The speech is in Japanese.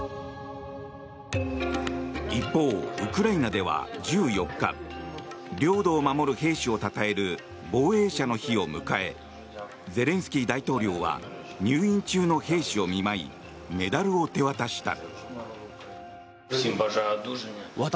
一方、ウクライナでは１４日領土を守る兵士をたたえる防衛者の日を迎えゼレンスキー大統領は入院中の兵士を見舞いメダルを手渡した。